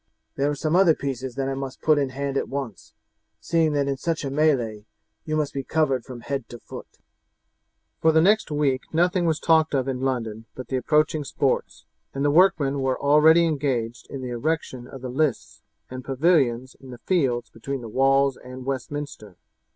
There are some other pieces that I must put in hand at once, seeing that in such a melee you must be covered from head to foot." For the next week nothing was talked of in London but the approaching sports, and the workmen were already engaged in the erection of the lists and pavilions in the fields between the walls and Westminster.